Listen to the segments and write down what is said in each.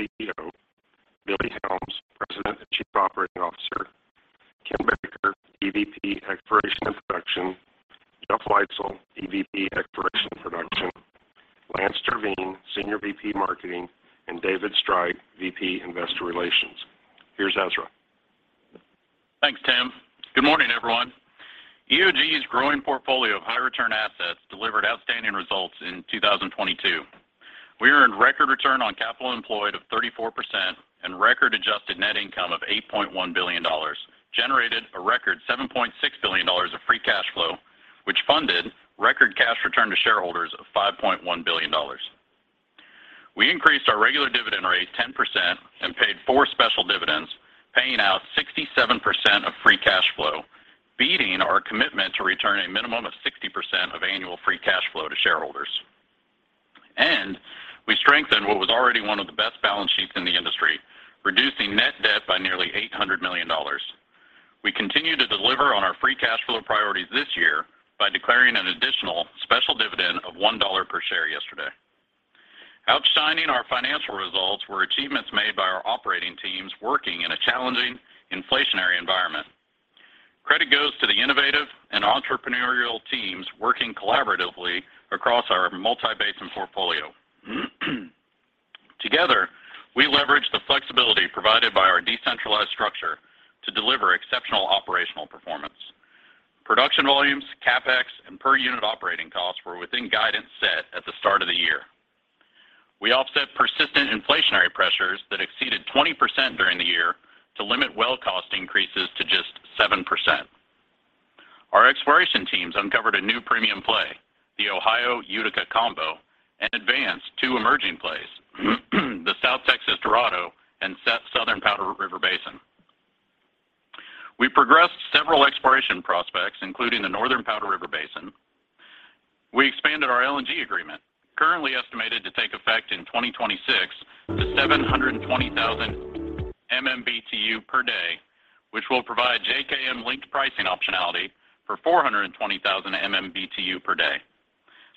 Chairman and CEO, Billy Helms, President and Chief Operating Officer, Ken Boedeker, EVP, Exploration and Production, Jeff Leitzell, EVP, Exploration and Production, Lance Terveen, Senior VP, Marketing, and David Streit, VP, Investor Relations. Here's Ezra. Thanks, Tim. Good morning, everyone. EOG's growing portfolio of high return assets delivered outstanding results in 2022. We earned record return on capital employed of 34% and record adjusted net income of $8.1 billion, generated a record $7.6 billion of free cash flow, which funded record cash return to shareholders of $5.1 billion. We increased our regular dividend rate 10% and paid 4 special dividends, paying out 67% of free cash flow, beating our commitment to return a minimum of 60% of annual free cash flow to shareholders. We strengthened what was already one of the best balance sheets in the industry, reducing net debt by nearly $800 million. We continue to deliver on our free cash flow priorities this year by declaring an additional special dividend of $1 per share yesterday. Outshining our financial results were achievements made by our operating teams working in a challenging inflationary environment. Credit goes to the innovative and entrepreneurial teams working collaboratively across our multi-basin portfolio. Together, we leverage the flexibility provided by our decentralized structure to deliver exceptional operational performance. Production volumes, CapEx, and per unit operating costs were within guidance set at the start of the year. We offset persistent inflationary pressures that exceeded 20% during the year to limit well cost increases to just 7%. Our exploration teams uncovered a new premium play, the Ohio Utica Combo, and advanced two emerging plays, the South Texas Dorado and Southern Powder River Basin. We progressed several exploration prospects, including the Northern Powder River Basin. We expanded our LNG agreement, currently estimated to take effect in 2026, to 720,000 MMBtu per day, which will provide JKM-linked pricing optionality for 420,000 MMBtu per day.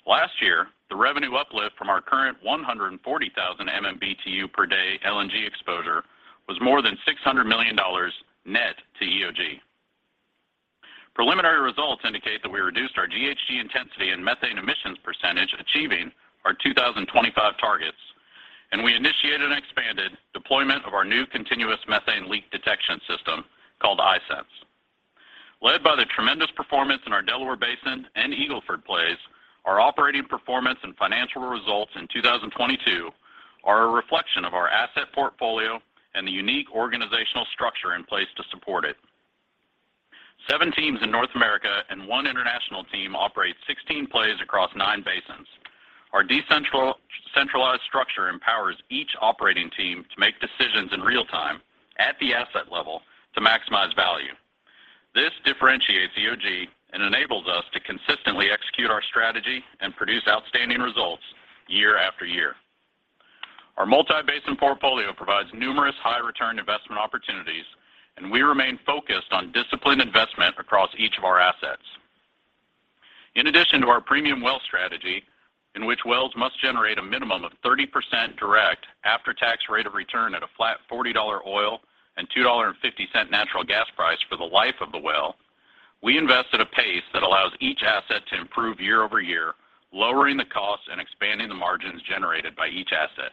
Last year, the revenue uplift from our current 140,000 MMBtu per day LNG exposure was more than $600 million net to EOG. Preliminary results indicate that we reduced our GHG intensity and methane emissions percentage achieving our 2025 targets, and we initiated and expanded deployment of our new continuous methane leak detection system called iSense. Led by the tremendous performance in our Delaware Basin and Eagle Ford plays, our operating performance and financial results in 2022 are a reflection of our asset portfolio and the unique organizational structure in place to support it. Seven teams in North America and one international team operate 16 plays across nine basins. Our decentralized structure empowers each operating team to make decisions in real time at the asset level to maximize value. This differentiates EOG and enables us to consistently execute our strategy and produce outstanding results year after year. Our multi-basin portfolio provides numerous high return investment opportunities, and we remain focused on disciplined investment across each of our assets. In addition to our premium well strategy, in which wells must generate a minimum of 30% direct after-tax rate of return at a flat $40 oil and $2.50 natural gas price for the life of the well, we invest at a pace that allows each asset to improve year-over-year, lowering the cost and expanding the margins generated by each asset.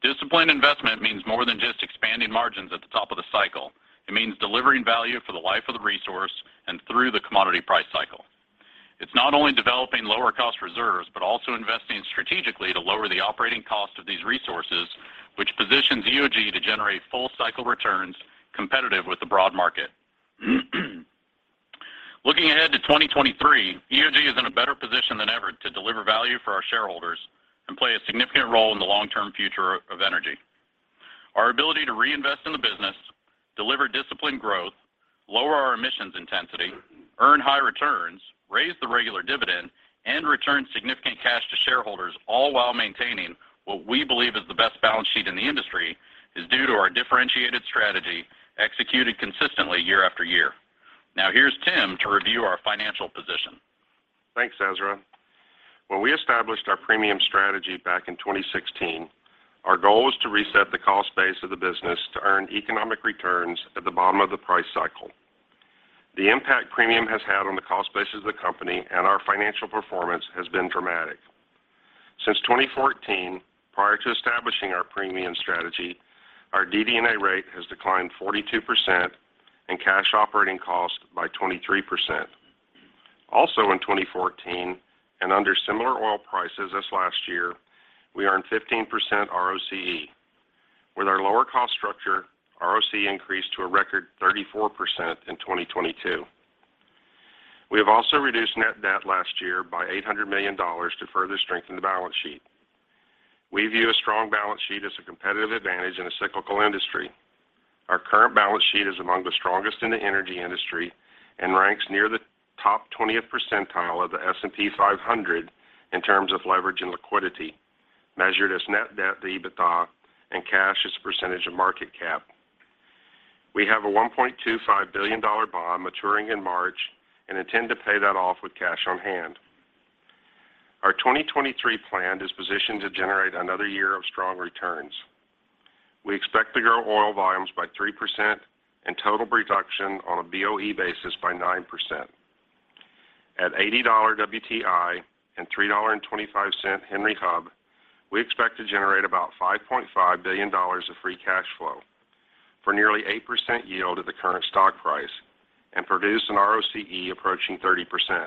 Disciplined investment means more than just expanding margins at the top of the cycle. It means delivering value for the life of the resource and through the commodity price cycle. It's not only developing lower cost reserves, but also investing strategically to lower the operating cost of these resources, which positions EOG to generate full cycle returns competitive with the broad market. Looking ahead to 2023, EOG is in a better position than ever to deliver value for our shareholders and play a significant role in the long-term future of energy. Our ability to reinvest in the business, deliver disciplined growth, lower our emissions intensity, earn high returns, raise the regular dividend, and return significant cash to shareholders, all while maintaining what we believe is the best balance sheet in the industry, is due to our differentiated strategy executed consistently year after year. Now here's Tim to review our financial position. Thanks, Ezra. When we established our premium strategy back in 2016, our goal was to reset the cost base of the business to earn economic returns at the bottom of the price cycle. The impact premium has had on the cost base of the company and our financial performance has been dramatic. Since 2014, prior to establishing our premium strategy, our DD&A rate has declined 42% and cash operating cost by 23%. Also in 2014, and under similar oil prices as last year, we earned 15% ROCE. With our lower cost structure, ROCE increased to a record 34% in 2022. We have also reduced net debt last year by $800 million to further strengthen the balance sheet. We view a strong balance sheet as a competitive advantage in a cyclical industry. Our current balance sheet is among the strongest in the energy industry and ranks near the top 20th percentile of the S&P 500 in terms of leverage and liquidity, measured as net debt to EBITDA and cash as a percentage of market cap. We have a $1.25 billion bond maturing in March and intend to pay that off with cash on hand. Our 2023 plan is positioned to generate another year of strong returns. We expect to grow oil volumes by 3% and total production on a BOE basis by 9%. At $80 WTI and $3.25 Henry Hub, we expect to generate about $5.5 billion of free cash flow for nearly 8% yield at the current stock price and produce an ROCE approaching 30%.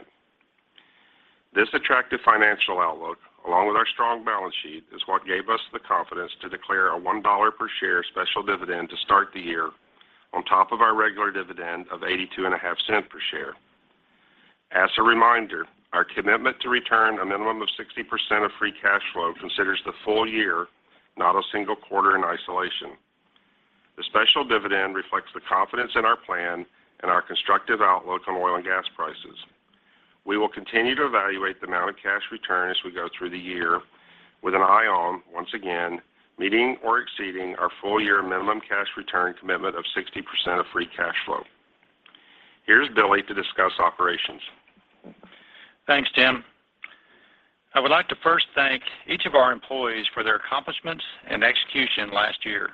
This attractive financial outlook, along with our strong balance sheet, is what gave us the confidence to declare a $1 per share special dividend to start the year on top of our regular dividend of $0.825 per share. As a reminder, our commitment to return a minimum of 60% of free cash flow considers the full year, not a single quarter in isolation. The special dividend reflects the confidence in our plan and our constructive outlook on oil and gas prices. We will continue to evaluate the amount of cash return as we go through the year with an eye on, once again, meeting or exceeding our full year minimum cash return commitment of 60% of free cash flow. Here's Billy to discuss operations. Thanks, Tim. I would like to first thank each of our employees for their accomplishments and execution last year.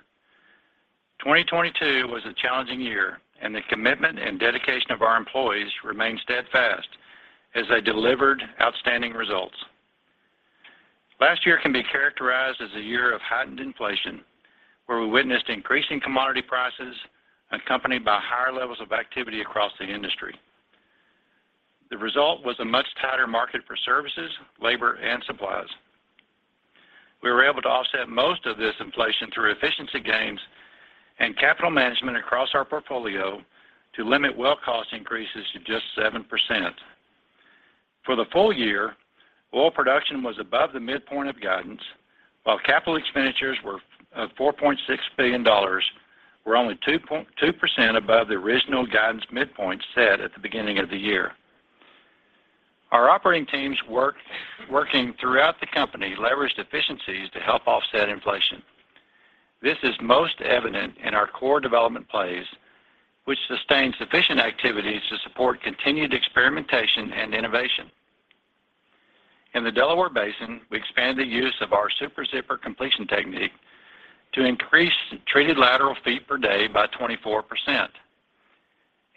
2022 was a challenging year. The commitment and dedication of our employees remained steadfast as they delivered outstanding results. Last year can be characterized as a year of heightened inflation, where we witnessed increasing commodity prices accompanied by higher levels of activity across the industry. The result was a much tighter market for services, labor, and supplies. We were able to offset most of this inflation through efficiency gains and capital management across our portfolio to limit well cost increases to just 7%. For the full year, oil production was above the midpoint of guidance, while capital expenditures were $4.6 billion were only 2% above the original guidance midpoint set at the beginning of the year. Our operating teams working throughout the company leveraged efficiencies to help offset inflation. This is most evident in our core development plays, which sustained sufficient activities to support continued experimentation and innovation. In the Delaware Basin, we expanded use of our Super Zipper completion technique to increase treated lateral feet per day by 24%.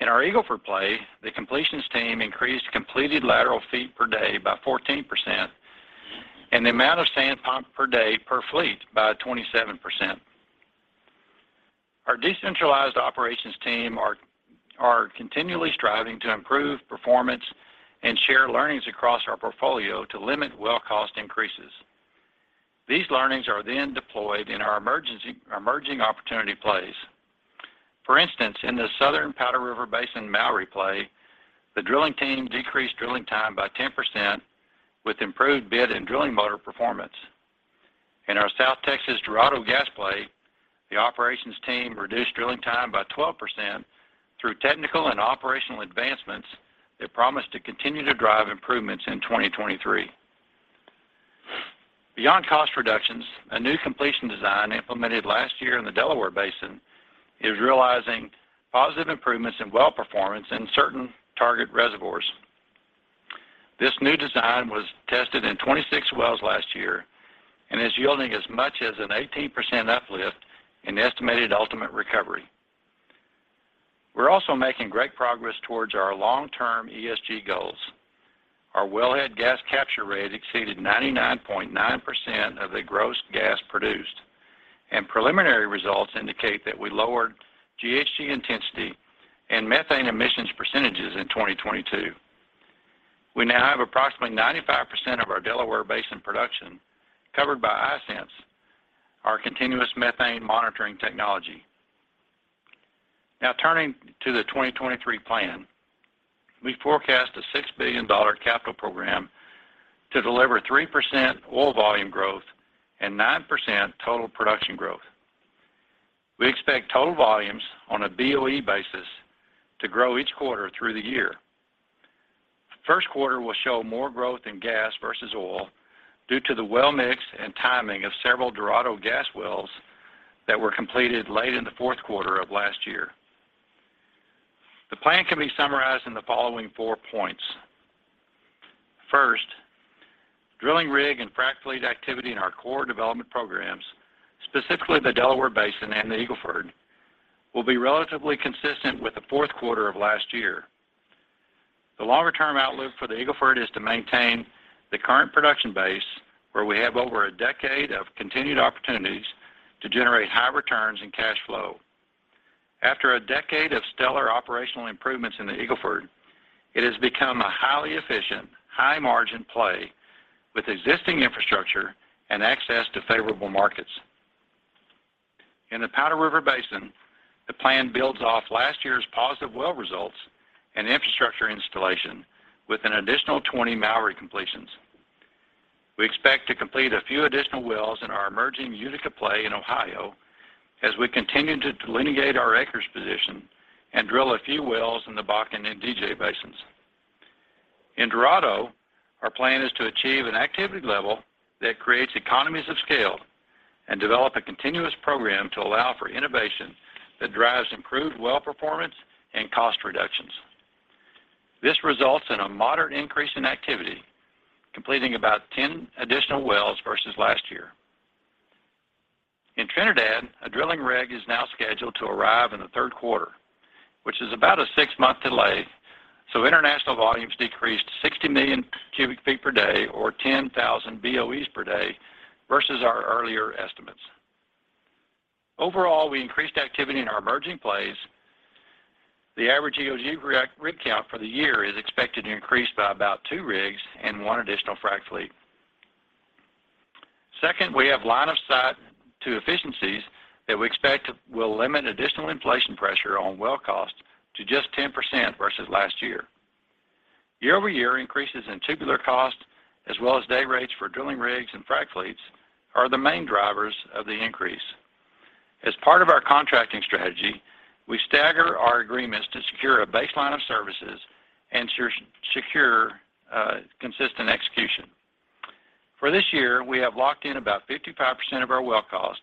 In our Eagle Ford play, the completions team increased completed lateral feet per day by 14% and the amount of sand pumped per day per fleet by 27%. Our decentralized operations team are continually striving to improve performance and share learnings across our portfolio to limit well cost increases. These learnings are then deployed in our emerging opportunity plays. For instance, in the Southern Powder River Basin Mowry play, the drilling team decreased drilling time by 10% with improved bit and drilling motor performance. In our South Texas Dorado gas play, the operations team reduced drilling time by 12% through technical and operational advancements that promise to continue to drive improvements in 2023. Beyond cost reductions, a new completion design implemented last year in the Delaware Basin is realizing positive improvements in well performance in certain target reservoirs. This new design was tested in 26 wells last year and is yielding as much as an 18% uplift in estimated ultimate recovery. We're also making great progress towards our long-term ESG goals. Our wellhead gas capture rate exceeded 99.9% of the gross gas produced, and preliminary results indicate that we lowered GHG intensity and methane emissions percentages in 2022. We now have approximately 95% of our Delaware Basin production covered by iSense, our continuous methane monitoring technology. Turning to the 2023 plan. We forecast a $6 billion capital program to deliver 3% oil volume growth and 9% total production growth. We expect total volumes on a BOE basis to grow each quarter through the year. First quarter will show more growth in gas versus oil due to the well mix and timing of several Dorado gas wells that were completed late in the fourth quarter of last year. The plan can be summarized in the following 4 points. First, drilling rig and frac fleet activity in our core development programs, specifically the Delaware Basin and the Eagle Ford, will be relatively consistent with the fourth quarter of last year. The longer-term outlook for the Eagle Ford is to maintain the current production base, where we have over a decade of continued opportunities to generate high returns and cash flow. After a decade of stellar operational improvements in the Eagle Ford, it has become a highly efficient, high-margin play with existing infrastructure and access to favorable markets. In the Powder River Basin, the plan builds off last year's positive well results and infrastructure installation with an additional 20 Mowry completions. We expect to complete a few additional wells in our emerging Utica play in Ohio as we continue to delineate our acres position and drill a few wells in the Bakken and DJ basins. In Dorado, our plan is to achieve an activity level that creates economies of scale and develop a continuous program to allow for innovation that drives improved well performance and cost reductions. This results in a moderate increase in activity, completing about 10 additional wells versus last year. In Trinidad, a drilling rig is now scheduled to arrive in the third quarter, which is about a six-month delay. International volumes decreased 60 million cubic feet per day or 10,000 BOEs per day versus our earlier estimates. Overall, we increased activity in our emerging plays. The average EOG rig count for the year is expected to increase by about 2 rigs and 1 additional frac fleet. Second, we have line of sight to efficiencies that we expect will limit additional inflation pressure on well costs to just 10% versus last year. Year-over-year increases in tubular costs, as well as day rates for drilling rigs and frac fleets, are the main drivers of the increase. As part of our contracting strategy, we stagger our agreements to secure a baseline of services and secure consistent execution. For this year, we have locked in about 55% of our well cost,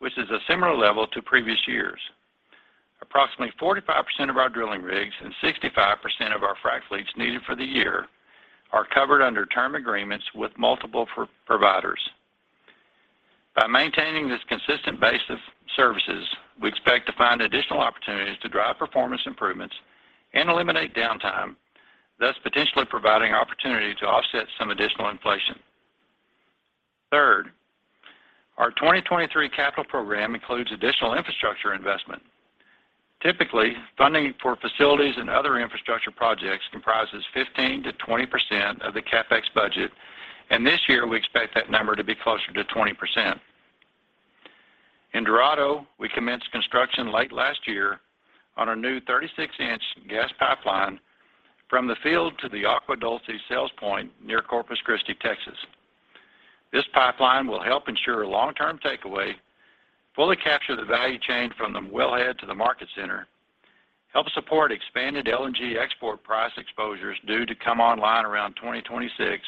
which is a similar level to previous years. Approximately 45% of our drilling rigs and 65% of our frac fleets needed for the year are covered under term agreements with multiple providers. By maintaining this consistent base of services, we expect to find additional opportunities to drive performance improvements and eliminate downtime, thus potentially providing opportunity to offset some additional inflation. Third, our 2023 capital program includes additional infrastructure investment. Typically, funding for facilities and other infrastructure projects comprises 15%-20% of the CapEx budget, and this year we expect that number to be closer to 20%. In Dorado, we commenced construction late last year on a new 36-inch gas pipeline from the field to the Agua Dulce sales point near Corpus Christi, Texas. This pipeline will help ensure long-term takeaway, fully capture the value chain from the wellhead to the market center, help support expanded LNG export price exposures due to come online around 2026,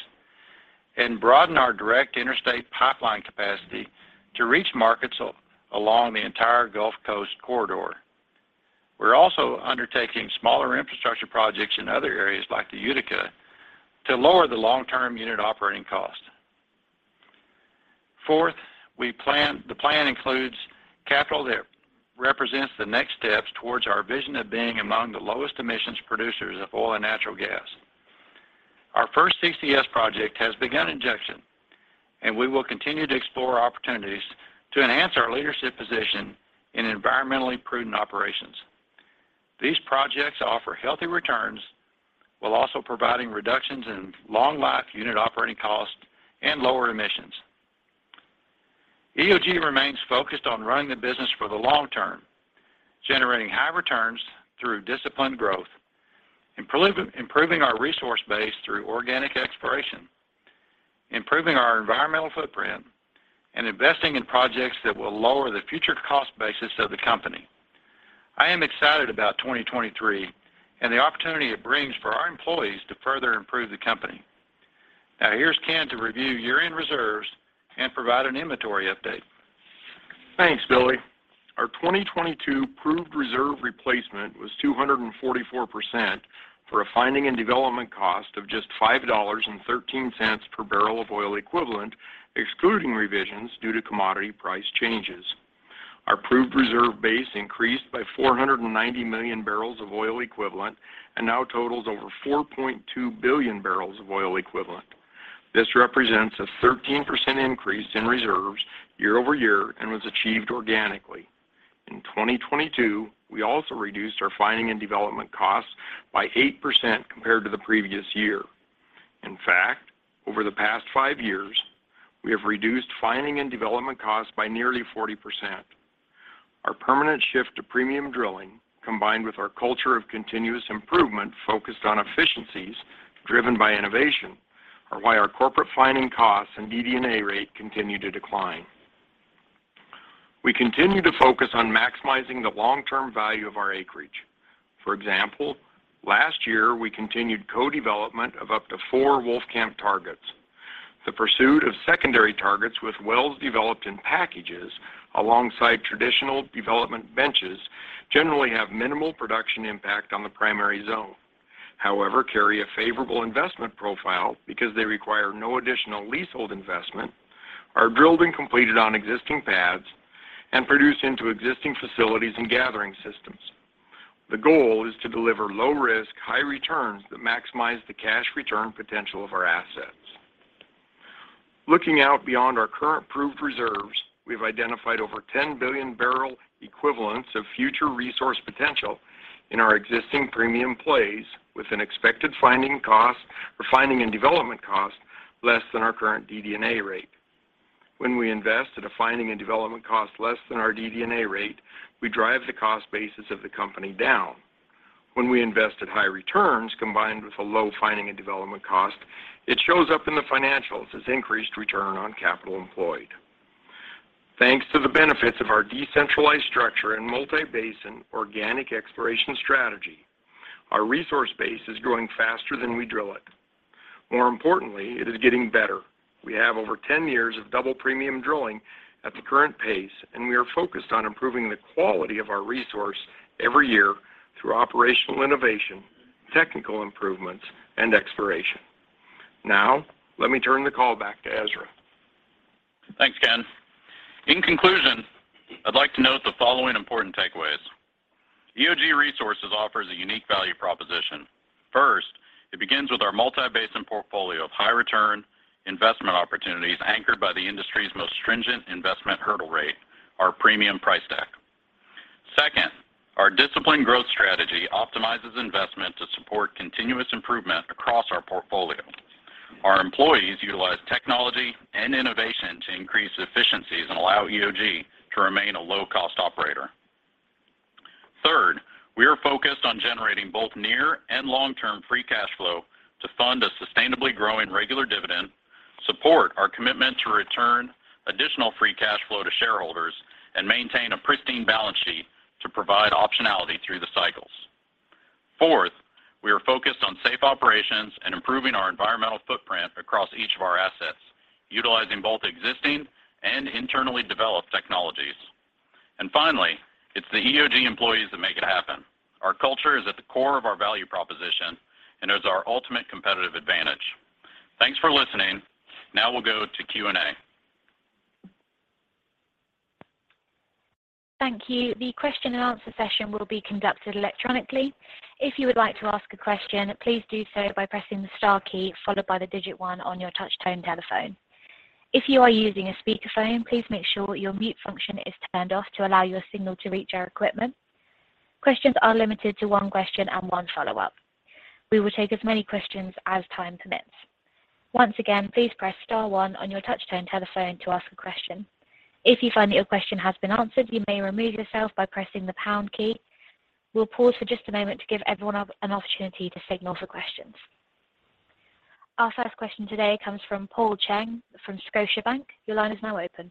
and broaden our direct interstate pipeline capacity to reach markets along the entire Gulf Coast corridor. We're also undertaking smaller infrastructure projects in other areas like the Utica to lower the long-term unit operating cost. Fourth, the plan includes capital that represents the next steps towards our vision of being among the lowest emissions producers of oil and natural gas. Our first CCS project has begun injection. We will continue to explore opportunities to enhance our leadership position in environmentally prudent operations. These projects offer healthy returns while also providing reductions in long-life unit operating costs and lower emissions. EOG remains focused on running the business for the long term, generating high returns through disciplined growth, improving our resource base through organic exploration, improving our environmental footprint, and investing in projects that will lower the future cost basis of the company. I am excited about 2023 and the opportunity it brings for our employees to further improve the company. Now here's Ken to review year-end reserves and provide an inventory update. Thanks, Billy. Our 2022 proved reserve replacement was 244% for a finding and development cost of just $5.13 per barrel of oil equivalent, excluding revisions due to commodity price changes. Our proved reserve base increased by 490 million barrels of oil equivalent and now totals over 4.2 billion barrels of oil equivalent. This represents a 13% increase in reserves year-over-year and was achieved organically. In 2022, we also reduced our finding and development costs by 8% compared to the previous year. In fact, over the past 5 years, we have reduced finding and development costs by nearly 40%. Our permanent shift to premium drilling, combined with our culture of continuous improvement focused on efficiencies driven by innovation, are why our corporate finding costs and DD&A rate continue to decline. We continue to focus on maximizing the long-term value of our acreage. For example, last year, we continued co-development of up to 4 Wolfcamp targets. The pursuit of secondary targets with wells developed in packages alongside traditional development benches generally have minimal production impact on the primary zone. However, carry a favorable investment profile because they require no additional leasehold investment, are drilled and completed on existing pads, and produced into existing facilities and gathering systems. The goal is to deliver low risk, high returns that maximize the cash return potential of our assets. Looking out beyond our current proved reserves, we've identified over 10 billion barrel equivalents of future resource potential in our existing premium plays with an expected finding cost or finding and development cost less than our current DD&A rate. When we invest at a finding and development cost less than our DD&A rate, we drive the cost basis of the company down. When we invest at high returns combined with a low finding and development cost, it shows up in the financials as increased return on capital employed. Thanks to the benefits of our decentralized structure and multi-basin organic exploration strategy, our resource base is growing faster than we drill it. More importantly, it is getting better. We have over 10 years of double premium drilling at the current pace, and we are focused on improving the quality of our resource every year through operational innovation, technical improvements, and exploration. Let me turn the call back to Ezra. Thanks, Ken. In conclusion, I'd like to note the following important takeaways. EOG Resources offers a unique value proposition. First, it begins with our multi-basin portfolio of high return investment opportunities anchored by the industry's most stringent investment hurdle rate, our premium price deck. Second, our disciplined growth strategy optimizes investment to support continuous improvement across our portfolio. Our employees utilize technology and innovation to increase efficiencies and allow EOG to remain a low-cost operator. Third, we are focused on generating both near and long-term free cash flow to fund a sustainably growing regular dividend, support our commitment to return additional free cash flow to shareholders, and maintain a pristine balance sheet to provide optionality through the cycles. Fourth, we are focused on safe operations and improving our environmental footprint across each of our assets, utilizing both existing and internally developed technologies. Finally, it's the EOG employees that make it happen. Our culture is at the core of our value proposition and is our ultimate competitive advantage. Thanks for listening. Now we'll go to Q&A. Thank you. The question and answer session will be conducted electronically. If you would like to ask a question, please do so by pressing the star key followed by the digit one on your touch tone telephone. If you are using a speakerphone, please make sure your mute function is turned off to allow your signal to reach our equipment. Questions are limited to 1 question and 1 follow-up. We will take as many questions as time permits. Once again, please press star one on your touch tone telephone to ask a question. If you find that your question has been answered, you may remove yourself by pressing the pound key. We'll pause for just a moment to give everyone an opportunity to signal for questions. Our first question today comes from Paul Cheng from Scotiabank. Your line is now open.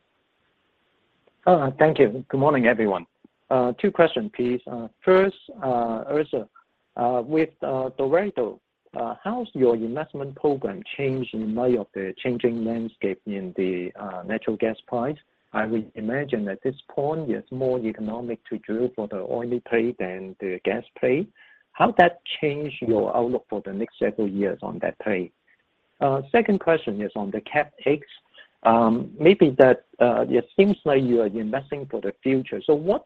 Thank you. Good morning, everyone. Two question, please. First, Ezra, with Dorado, how's your investment program changed in light of the changing landscape in the natural gas price? I would imagine at this point, it's more economic to drill for the oily play than the gas play. How's that changed your outlook for the next several years on that play? Second question is on the CapEx. Maybe that, it seems like you are investing for the future. What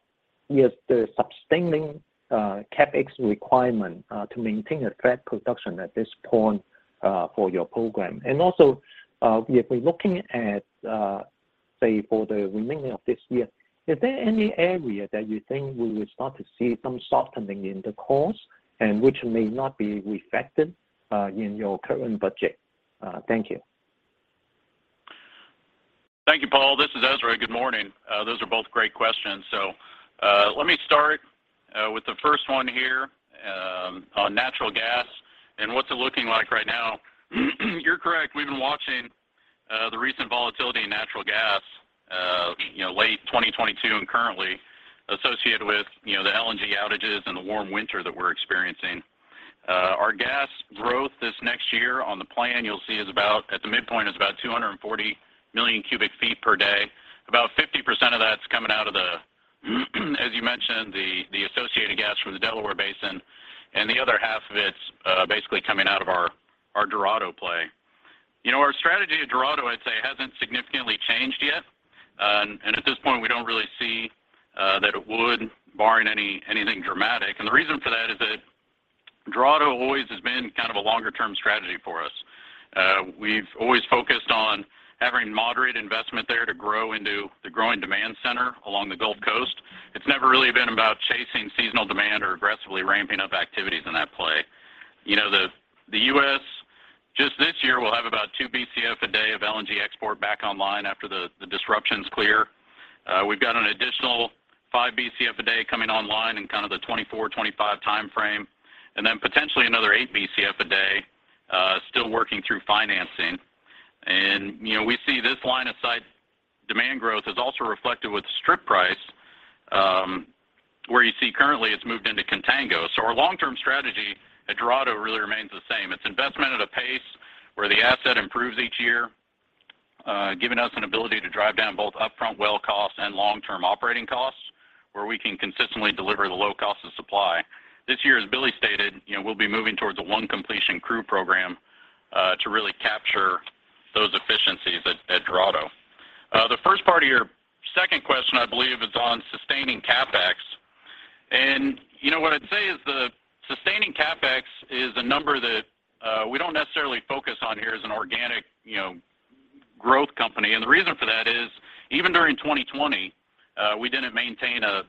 is the sustaining CapEx requirement to maintain a flat production at this point for your program? If we're looking at, say for the remaining of this year, is there any area that you think we will start to see some softening in the costs and which may not be reflected in your current budget? Thank you. Thank you, Paul. This is Ezra. Good morning. Those are both great questions. Let me start with the first one here on natural gas and what's it looking like right now. You're correct. We've been watching the recent volatility in natural gas, you know, late 2022 and currently associated with, you know, the LNG outages and the warm winter that we're experiencing. Our gas growth this next year on the plan you'll see at the midpoint is about 240 million cubic feet per day. About 50% of that's coming out of the, as you mentioned, the associated gas from the Delaware Basin, and the other half of it's basically coming out of our Dorado play. You know, our strategy at Dorado, I'd say, hasn't significantly changed yet, and at this point, we don't really see that it would, barring anything dramatic. The reason for that is that Dorado always has been kind of a longer-term strategy for us. We've always focused on having moderate investment there to grow into the growing demand center along the Gulf Coast. It's never really been about chasing seasonal demand or aggressively ramping up activities in that play. You know, the U.S., just this year, will have about 2 Bcf a day of LNG export back online after the disruptions clear. We've got an additional 5 Bcf a day coming online in kind of the 2024, 2025 timeframe, and then potentially another 8 Bcf a day still working through financing. You know, we see this line of sight demand growth is also reflected with strip price, where you see currently it's moved into contango. Our long-term strategy at Dorado really remains the same. It's investment at a pace where the asset improves each year, giving us an ability to drive down both upfront well costs and long-term operating costs, where we can consistently deliver the low cost of supply. This year, as Billy stated, you know, we'll be moving towards a 1 completion crew program to really capture those efficiencies at Dorado. The first part of your second question, I believe, is on sustaining CapEx. You know, what I'd say is the sustaining CapEx is a number that we don't necessarily focus on here as an organic, you know, growth company. The reason for that is, even during 2020, we didn't maintain a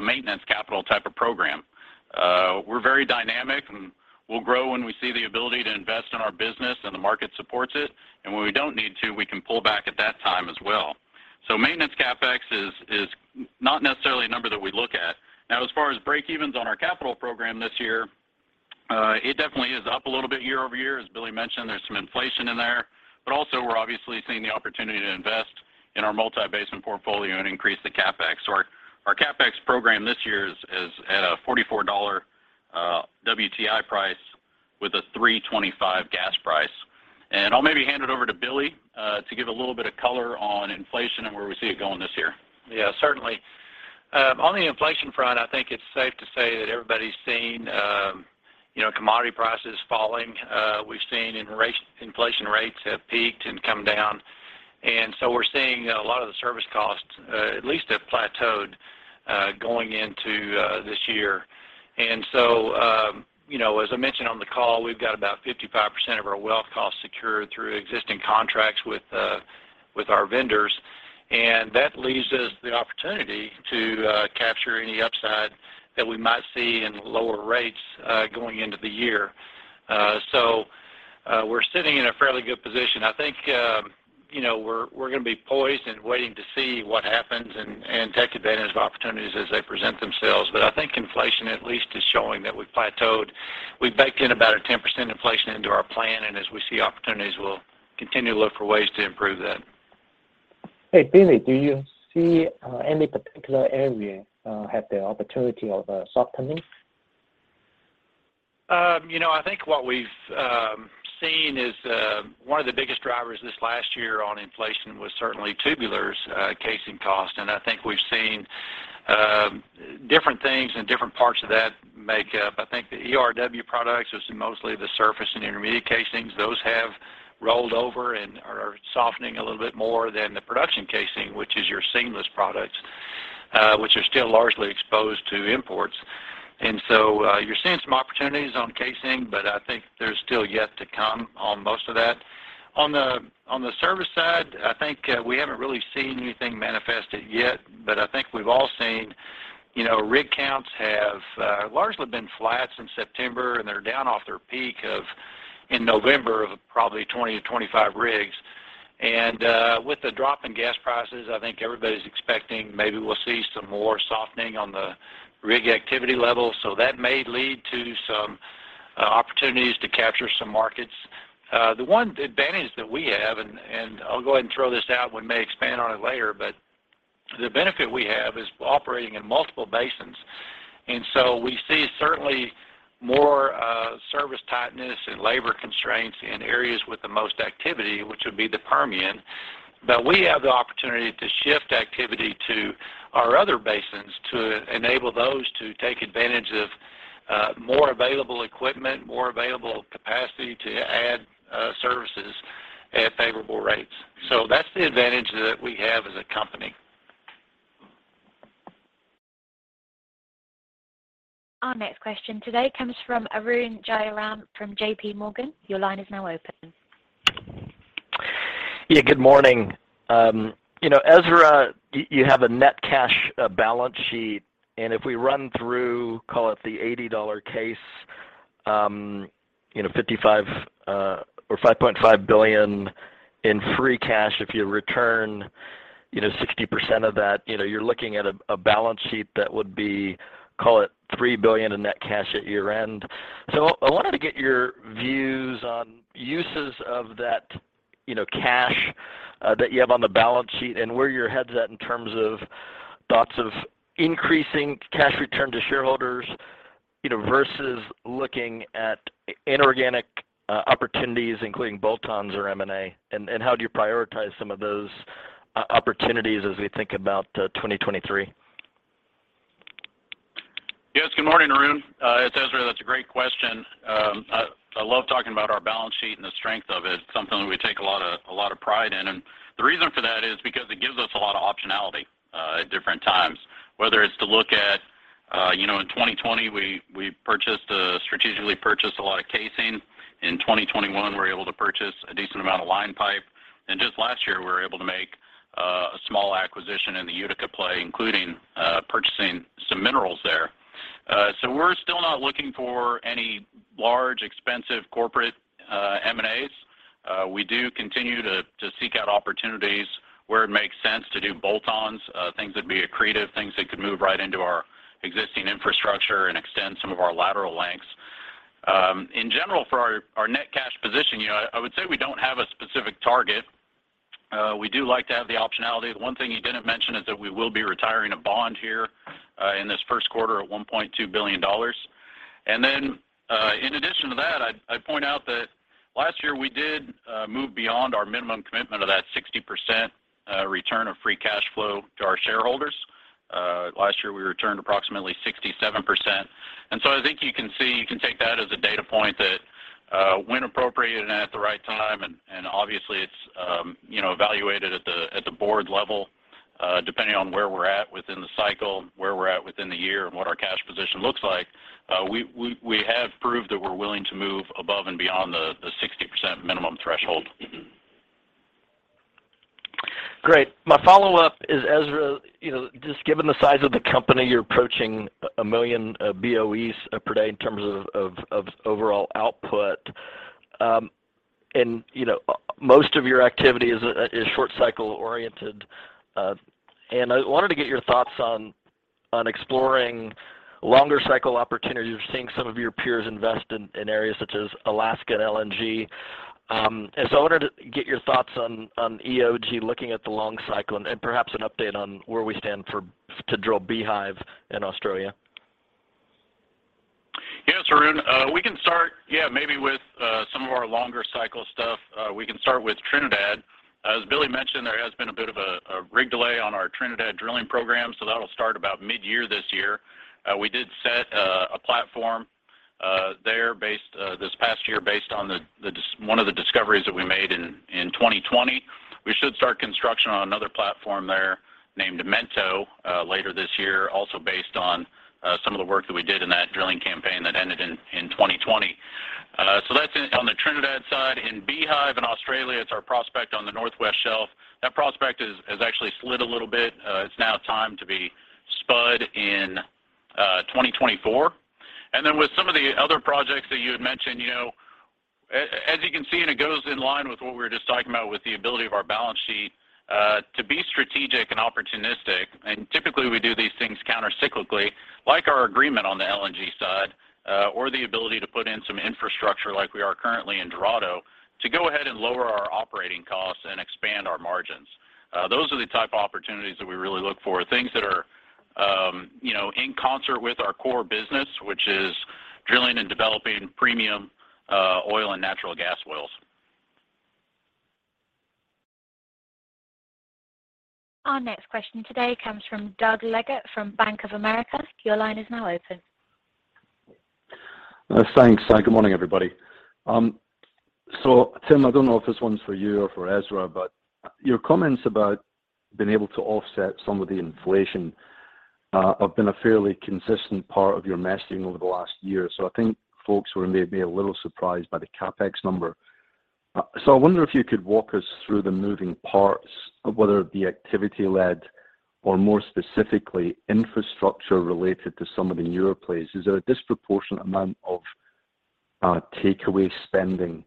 maintenance capital type of program. We're very dynamic, and we'll grow when we see the ability to invest in our business and the market supports it. When we don't need to, we can pull back at that time as well. Maintenance CapEx is not necessarily a number that we look at. Now, as far as breakevens on our capital program this year. It definitely is up a little bit year-over-year. As Billy mentioned, there's some inflation in there, but also we're obviously seeing the opportunity to invest in our multi-basin portfolio and increase the CapEx. Our CapEx program this year is at a $44 WTI price with a $3.25 gas price. I'll maybe hand it over to Billy Helms, to give a little bit of color on inflation and where we see it going this year. Yeah, certainly. On the inflation front, I think it's safe to say that everybody's seen, you know, commodity prices falling. We've seen inflation rates have peaked and come down. We're seeing a lot of the service costs, at least have plateaued, going into this year. You know, as I mentioned on the call, we've got about 55% of our well costs secured through existing contracts with our vendors. That leaves us the opportunity to capture any upside that we might see in lower rates, going into the year. We're sitting in a fairly good position. I think, you know, we're gonna be poised and waiting to see what happens and take advantage of opportunities as they present themselves. I think inflation at least is showing that we've plateaued. We've baked in about a 10% inflation into our plan, and as we see opportunities, we'll continue to look for ways to improve that. Hey, Billy, do you see any particular area have the opportunity of softening? You know, I think what we've seen is one of the biggest drivers this last year on inflation was certainly tubulars, casing cost. I think we've seen different things and different parts of that make up. I think the ERW products is mostly the surface and intermediate casings. Those have rolled over and are softening a little bit more than the production casing, which is your seamless products, which are still largely exposed to imports. You're seeing some opportunities on casing, but I think there's still yet to come on most of that. On the service side, I think we haven't really seen anything manifested yet, but I think we've all seen, you know, rig counts have largely been flat since September, and they're down off their peak of, in November of probably 20-25 rigs. With the drop in gas prices, I think everybody's expecting maybe we'll see some more softening on the rig activity levels. That may lead to some opportunities to capture some markets. The one advantage that we have and, I'll go ahead and throw this out, we may expand on it later, but the benefit we have is operating in multiple basins. We see certainly more service tightness and labor constraints in areas with the most activity, which would be the Permian. We have the opportunity to shift activity to our other basins to enable those to take advantage of more available equipment, more available capacity to add services at favorable rates. That's the advantage that we have as a company. Our next question today comes from Arun Jayaram from J.P. Morgan. Your line is now open. Yeah, good morning. you know, Ezra, you have a net cash balance sheet, and if we run through, call it the $80 case, you know, $5.5 billion in free cash, if you return, you know, 60% of that, you know, you're looking at a balance sheet that would be, call it $3 billion in net cash at year-end. I wanted to get your views on uses of that, you know, cash that you have on the balance sheet and where your head's at in terms of thoughts of increasing cash return to shareholders, you know, versus looking at inorganic opportunities, including bolt-ons or M&A. How do you prioritize some of those opportunities as we think about 2023? Yes, good morning, Arun. It's Ezra. That's a great question. I love talking about our balance sheet and the strength of it. It's something we take a lot of pride in. The reason for that is because it gives us a lot of optionality at different times. Whether it's to look at, you know, in 2020 we purchased strategically purchased a lot of casing. In 2021, we were able to purchase a decent amount of line pipe. Just last year, we were able to make a small acquisition in the Utica play, including purchasing some minerals there. We're still not looking for any large, expensive corporate M&As. We do continue to seek out opportunities where it makes sense to do bolt-ons, things that'd be accretive, things that could move right into our existing infrastructure and extend some of our lateral lengths. In general, for our net cash position, you know, I would say we don't have a specific target. We do like to have the optionality. The one thing you didn't mention is that we will be retiring a bond here in this first quarter at $1.2 billion. In addition to that, I'd point out that last year we did move beyond our minimum commitment of that 60% return of free cash flow to our shareholders. Last year, we returned approximately 67%. I think you can see, you can take that as a data point that, when appropriate and at the right time, and obviously it's, you know, evaluated at the board level, depending on where we're at within the cycle, where we're at within the year, and what our cash position looks like, we have proved that we're willing to move above and beyond the 60% minimum threshold. Great. My follow-up is, Ezra, you know, just given the size of the company, you're approaching 1 million BOEs per day in terms of overall output. You know, most of your activity is short cycle-oriented. I wanted to get your thoughts on exploring longer cycle opportunities. We're seeing some of your peers invest in areas such as Alaska and LNG. I wanted to get your thoughts on EOG looking at the long cycle and perhaps an update on where we stand to drill Beehive in Australia. Yes, Arun. We can start, yeah, maybe with some of our longer cycle stuff. We can start with Trinidad. As Billy mentioned, there has been a bit of a rig delay on our Trinidad drilling program, that'll start about midyear this year. We did set a platform there based this past year based on one of the discoveries that we made in 2020. We should start construction on another platform there named Mento later this year, also based on some of the work that we did in that drilling campaign that ended in 2020. That's on the Trinidad side. In Beehive, in Australia, it's our prospect on the North West Shelf. That prospect has actually slid a little bit. It's now timed to be spud in 2024. With some of the other projects that you had mentioned, you know, as you can see, and it goes in line with what we were just talking about with the ability of our balance sheet to be strategic and opportunistic. Typically, we do these things countercyclically, like our agreement on the LNG side, or the ability to put in some infrastructure like we are currently in Dorado to go ahead and lower our operating costs and expand our margins. Those are the type of opportunities that we really look for, things that are, you know, in concert with our core business, which is drilling and developing premium oil and natural gas wells. Our next question today comes from Doug Leggate from Bank of America. Your line is now open. Thanks. Good morning, everybody. Tim, I don't know if this one's for you or for Ezra, but your comments about being able to offset some of the inflation have been a fairly consistent part of your messaging over the last year. I think folks were maybe a little surprised by the CapEx number. I wonder if you could walk us through the moving parts of whether the activity led or more specifically infrastructure related to some of the newer plays. Is there a disproportionate amount of takeaway spending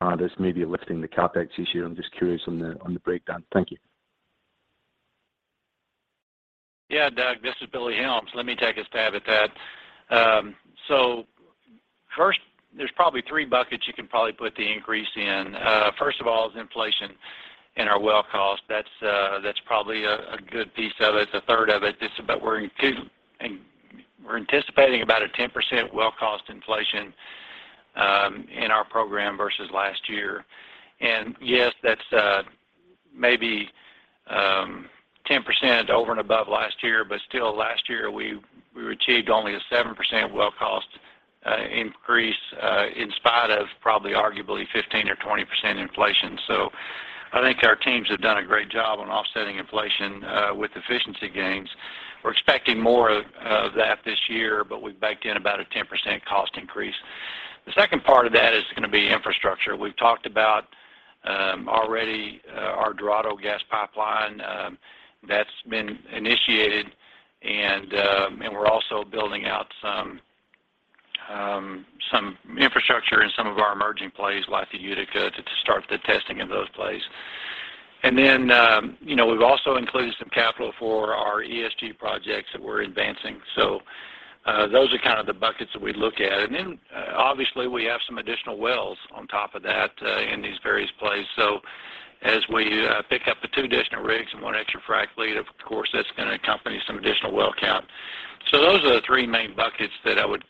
that's maybe lifting the CapEx this year? I'm just curious on the breakdown. Thank you. Yeah. Doug, this is Billy Helms. Let me take a stab at that. First, there's probably three buckets you can probably put the increase in. First of all is inflation in our well cost. That's, that's probably a good piece of it. A third of it, just about We're anticipating about a 10% well cost inflation in our program versus last year. Yes, that's maybe 10% over and above last year. Still last year, we achieved only a 7% well cost increase in spite of probably arguably 15% or 20% inflation. I think our teams have done a great job on offsetting inflation with efficiency gains. We're expecting more of that this year, but we've baked in about a 10% cost increase. The second part of that is gonna be infrastructure. We've talked about already our Dorado gas pipeline that's been initiated. We're also building out some infrastructure in some of our emerging plays like the Utica to start the testing in those plays. You know, we've also included some capital for our ESG projects that we're advancing. Those are kind of the buckets that we look at. Obviously, we have some additional wells on top of that in these various plays. As we pick up the two additional rigs and one extra frac fleet, of course, that's gonna accompany some additional well count. Those are the three main buckets that I would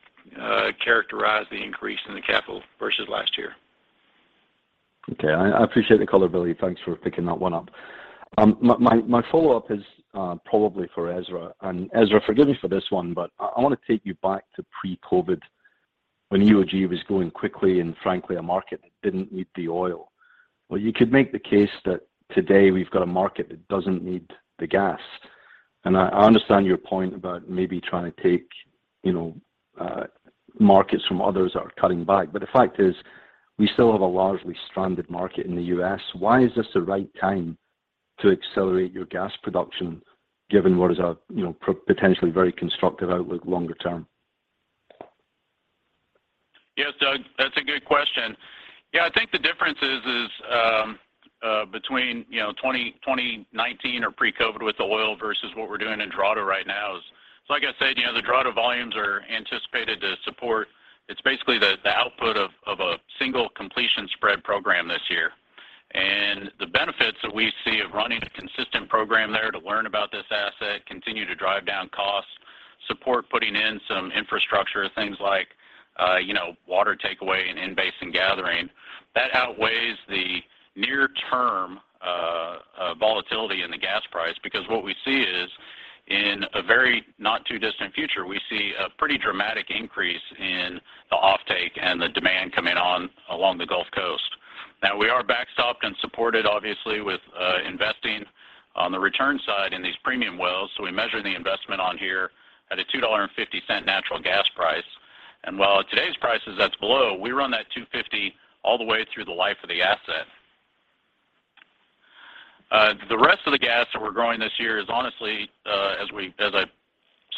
characterize the increase in the capital versus last year. Okay. I appreciate the color, Billy. Thanks for picking that one up. My follow-up is probably for Ezra. Ezra, forgive me for this one, but I wanna take you back to pre-COVID when EOG was growing quickly and frankly, a market that didn't need the oil. You could make the case that today we've got a market that doesn't need the gas. I understand your point about maybe trying to take markets from others that are cutting back. The fact is, we still have a largely stranded market in the U.S. Why is this the right time to accelerate your gas production given what is a potentially very constructive outlook longer term? Yeah. Doug, that's a good question. Yeah, I think the difference is between, you know, 2019 or pre-COVID with oil versus what we're doing in Dorado right now is. Like I said, you know, the Dorado volumes are anticipated to support. It's basically the output of a single completion spread program this year. The benefits that we see of running a consistent program there to learn about this asset, continue to drive down costs, support putting in some infrastructure, things like, you know, water takeaway and in-basin gathering, that outweighs the near term volatility in the gas price. What we see is in a very not too distant future, we see a pretty dramatic increase in the offtake and the demand coming on along the Gulf Coast. We are backstopped and supported obviously with investing on the return side in these premium wells. We measure the investment on here at a $2.50 natural gas price. While at today's prices that's below, we run that $2.50 all the way through the life of the asset. The rest of the gas that we're growing this year is honestly, as I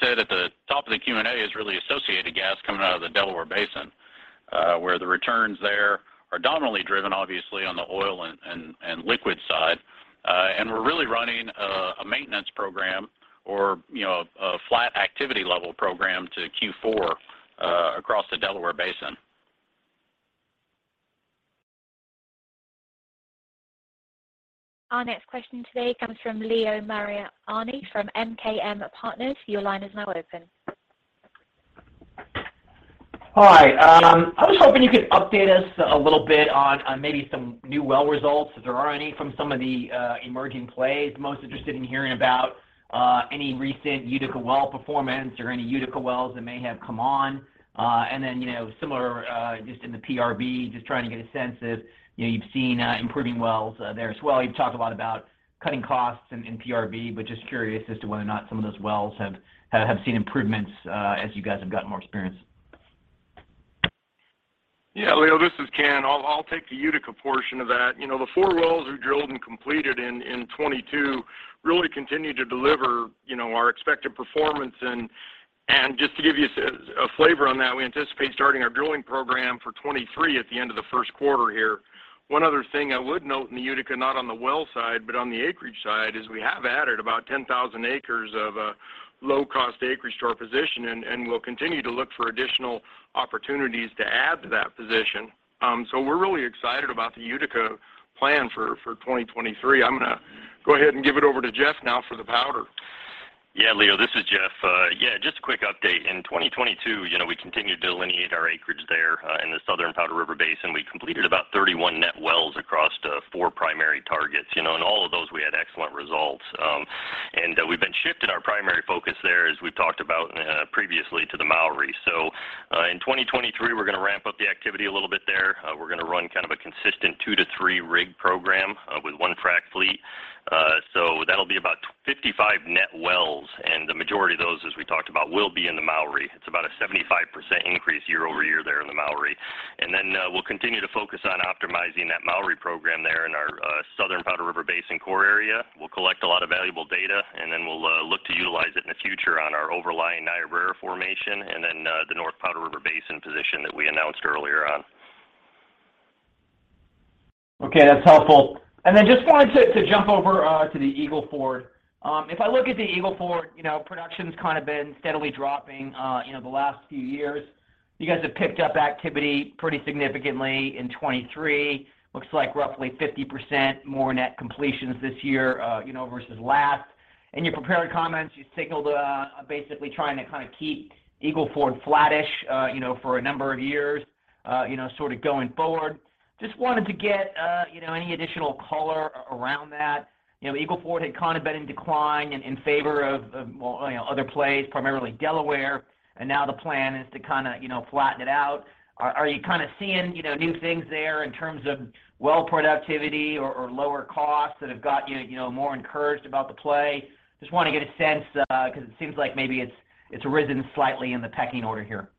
said at the top of the Q&A, is really associated gas coming out of the Delaware Basin, where the returns there are dominantly driven, obviously, on the oil and liquid side. We're really running, a maintenance program or, you know, a flat activity level program to Q4, across the Delaware Basin. Our next question today comes from Leo Mariani from MKM Partners. Your line is now open. Hi. I was hoping you could update us a little bit on maybe some new well results, if there are any, from some of the emerging plays. Most interested in hearing about any recent Utica well performance or any Utica wells that may have come on. Then, you know, similar, just in the PRB, just trying to get a sense if, you know, you've seen improving wells there as well. You've talked a lot about cutting costs in PRB, but just curious as to whether or not some of those wells have seen improvements as you guys have gotten more experience. Yeah, Leo, this is Ken. I'll take the Utica portion of that. You know, the four wells we drilled and completed in 2022 really continue to deliver, you know, our expected performance. Just to give you a flavor on that, we anticipate starting our drilling program for 2023 at the end of the first quarter here. One other thing I would note in the Utica, not on the well side, but on the acreage side, is we have added about 10,000 acres of low-cost acreage to our position, we'll continue to look for additional opportunities to add to that position. We're really excited about the Utica plan for 2023. I'm gonna go ahead and give it over to Jeff now for the Powder. Leo, this is Jeff. Just a quick update. In 2022, you know, we continued to delineate our acreage there in the Southern Powder River Basin. We completed about 31 net wells across the 4 primary targets, you know, and all of those we had excellent results. And we've been shifting our primary focus there, as we've talked about previously, to the Mowry. In 2023, we're gonna ramp up the activity a little bit there. We're gonna run kind of a consistent 2-3 rig program with 1 frac fleet. So that'll be about 55 net wells, and the majority of those, as we talked about, will be in the Mowry. It's about a 75% increase year-over-year there in the Mowry. We'll continue to focus on optimizing that Mowry program there in our Southern Powder River Basin core area. We'll collect a lot of valuable data, we'll look to utilize it in the future on our overlying Niobrara Formation and the North Powder River Basin position that we announced earlier on. Okay, that's helpful. Then just wanted to jump over to the Eagle Ford. If I look at the Eagle Ford, you know, production's kinda been steadily dropping, you know, the last few years. You guys have picked up activity pretty significantly in 2023. Looks like roughly 50% more net completions this year, you know, versus last. In your prepared comments, you signaled basically trying to kinda keep Eagle Ford flattish, you know, for a number of years, you know, sorta going forward. Just wanted to get, you know, any additional color around that. You know, Eagle Ford had kinda been in decline in favor of, well, you know, other plays, primarily Delaware, and now the plan is to kinda, you know, flatten it out. Are you kinda seeing, you know, new things there in terms of well productivity or lower costs that have got you know, more encouraged about the play? Just wanna get a sense 'cause it seems like maybe it's risen slightly in the pecking order here.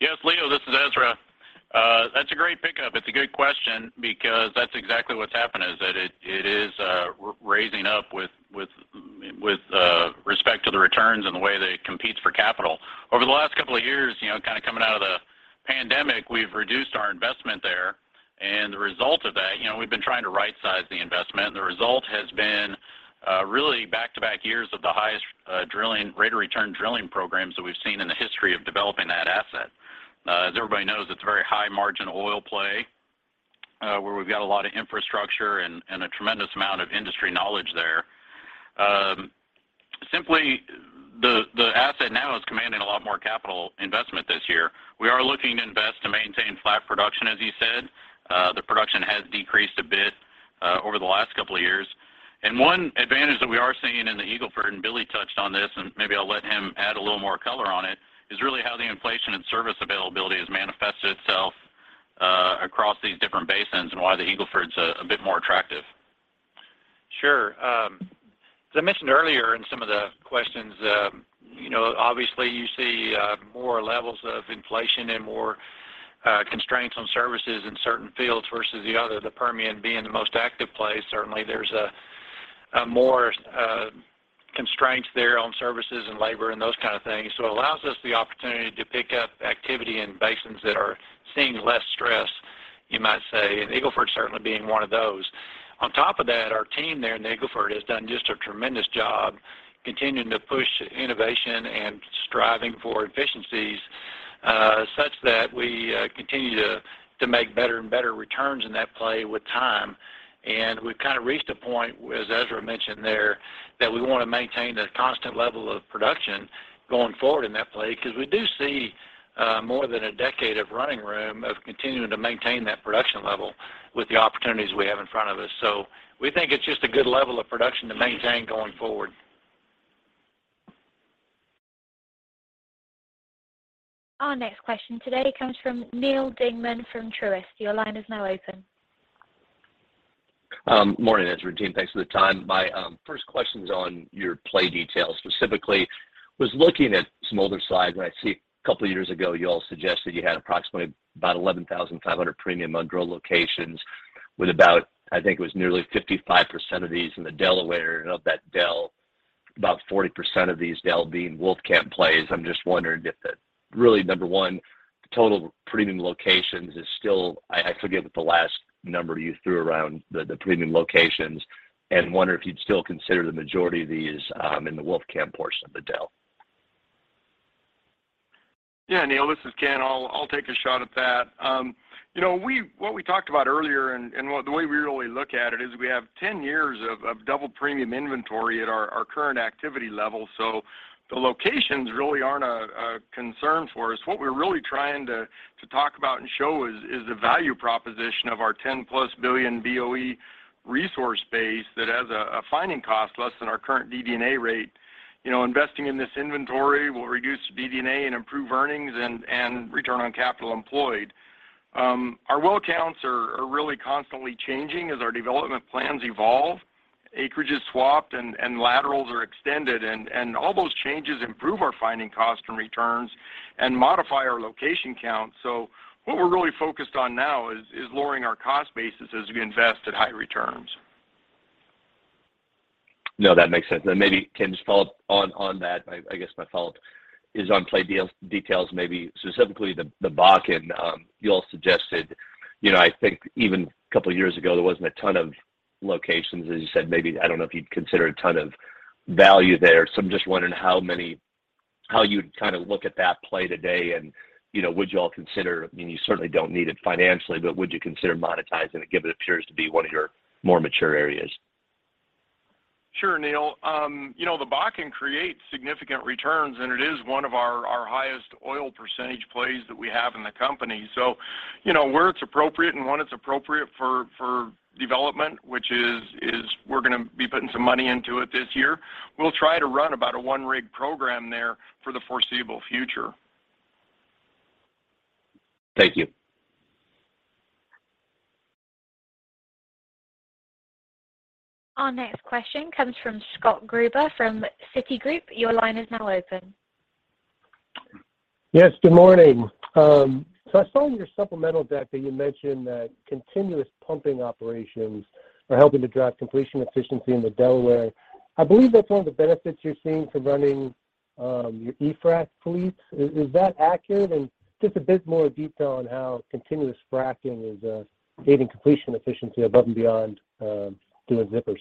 Yes, Leo, this is Ezra. That's a great pickup. It's a good question because that's exactly what's happened is that it is raising up with respect to the returns and the way that it competes for capital. Over the last couple of years, you know, kinda coming out of the pandemic, we've reduced our investment there, and the result of that, you know, we've been trying to right size the investment. The result has been really back-to-back years of the highest drilling rate of return drilling programs that we've seen in the history of developing that asset. As everybody knows, it's a very high margin oil play, where we've got a lot of infrastructure and a tremendous amount of industry knowledge there. Simply, the asset now is commanding a lot more capital investment this year. We are looking to invest to maintain flat production, as you said. The production has decreased a bit over the last couple of years. One advantage that we are seeing in the Eagle Ford, and Billy touched on this, and maybe I'll let him add a little more color on it, is really how the inflation and service availability has manifested itself across these different basins and why the Eagle Ford's a bit more attractive. Sure. As I mentioned earlier in some of the questions, you know, obviously you see more levels of inflation and more constraints on services in certain fields versus the other. The Permian being the most active place, certainly there's more constraints there on services and labor and those kind of things. It allows us the opportunity to pick up activity in basins that are seeing less stress, you might say, and Eagle Ford certainly being one of those. On top of that, our team there in Eagle Ford has done just a tremendous job continuing to push innovation and striving for efficiencies, such that we continue to make better and better returns in that play with time. We've kinda reached a point, as Ezra mentioned there, that we wanna maintain the constant level of production going forward in that play, 'cause we do see more than a decade of running room of continuing to maintain that production level with the opportunities we have in front of us. We think it's just a good level of production to maintain going forward. Our next question today comes from Neal Dingmann from Truist. Your line is now open. Morning, Ezra and team. Thanks for the time. My first question's on your play details, specifically. Was looking at some older slides and I see a couple of years ago, you all suggested you had approximately about 11,500 premium undrilled locations with about, I think it was nearly 55% of these in the Delaware. Of that Del, about 40% of these Del being Wolfcamp plays. I'm just wondering if that really number one, the total premium locations is still. I forget what the last number you threw around the premium locations and wonder if you'd still consider the majority of these, in the Wolfcamp portion of the Del. Yeah, Neal, this is Ken. I'll take a shot at that. You know, what we talked about earlier and the way we really look at it is we have 10 years of double premium inventory at our current activity level. The locations really aren't a concern for us. What we're really trying to talk about and show is the value proposition of our 10+ billion BOE resource base that has a finding cost less than our current DD&A rate. You know, investing in this inventory will reduce DD&A and improve earnings and return on capital employed. Our well counts are really constantly changing as our development plans evolve, acreage is swapped and laterals are extended, and all those changes improve our finding cost and returns and modify our location count. What we're really focused on now is lowering our cost basis as we invest at high returns. No, that makes sense. Maybe Ken, just follow up on that. I guess my follow-up is on play details maybe specifically the Bakken, you all suggested, you know, I think even a couple of years ago there wasn't a ton of locations, as you said, maybe I don't know if you'd consider a ton of value there. I'm just wondering how you kind of look at that play today and, you know, would you all consider, I mean, you certainly don't need it financially, but would you consider monetizing it given it appears to be one of your more mature areas? Sure, Neal. You know, the Bakken creates significant returns. It is one of our highest oil percentage plays that we have in the company. You know, where it's appropriate and when it's appropriate for development, which is we're gonna be putting some money into it this year. We'll try to run about a 1 rig program there for the foreseeable future. Thank you. Our next question comes from Scott Gruber from Citigroup. Your line is now open. Yes, good morning. I saw in your supplemental deck that you mentioned that continuous pumping operations are helping to drive completion efficiency in the Delaware. I believe that's one of the benefits you're seeing from running, your e-frac fleets. Is that accurate? Just a bit more detail on how continuous fracking is gaining completion efficiency above and beyond doing zippers.